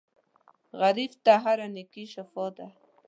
غریب ته هره نېکۍ شفاء ده